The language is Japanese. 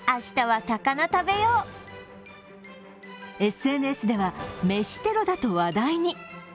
ＳＮＳでは飯テロだと話題に。